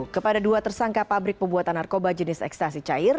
kepada dua tersangka pabrik pembuatan narkoba jenis ekstasi cair